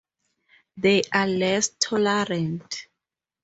They are less tolerant.